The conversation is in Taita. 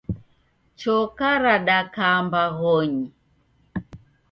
Choka radaka mbaghonyi